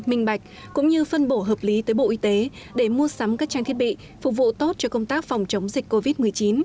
minh bạch cũng như phân bổ hợp lý tới bộ y tế để mua sắm các trang thiết bị phục vụ tốt cho công tác phòng chống dịch covid một mươi chín